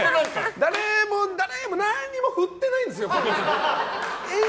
誰も何も振ってないんですよ。